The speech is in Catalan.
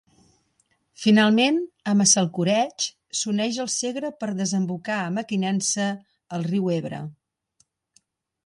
Finalment, a Massalcoreig, s'uneix al Segre per desembocar a Mequinensa al riu Ebre.